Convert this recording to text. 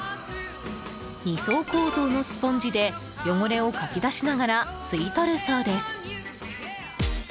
２層構造のスポンジで汚れをかき出しながら吸い取るそうです。